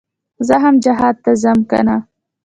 زه هم جهاد ته ځم كنه.